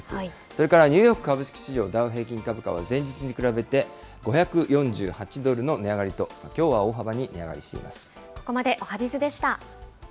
それからニューヨーク株式市場、ダウ平均株価は前日に比べて、５４８ドルの値上がりと、きょうは大幅に値上がりしています。